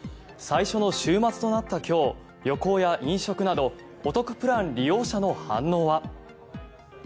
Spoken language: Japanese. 最初の週末となった今日旅行や飲食などお得プラン利用者の反応は。